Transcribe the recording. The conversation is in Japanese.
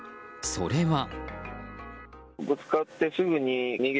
それは。